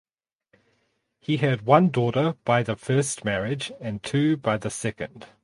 He had one daughter by the first marriage and two by the second.